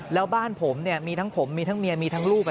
แล้วบ้านผมเนี่ยมีทั้งผมมีทั้งเมียมีทั้งลูก